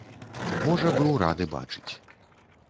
Можа быў рады бачыць.